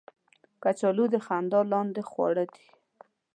کچالو د خندا لاندې خواړه دي